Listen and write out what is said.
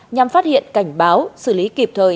nhằm phát hiện cảnh báo xử lý kịp thời